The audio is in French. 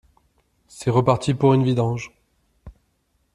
C’est reparti pour une vidange.